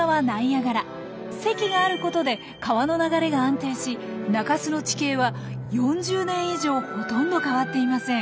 堰があることで川の流れが安定し中州の地形は４０年以上ほとんど変わっていません。